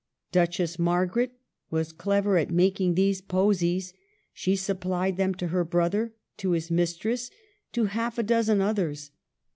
Duchess Margaret was clever at making these posies ; she supplied them to her brother, to his mistress, to half a dozen others.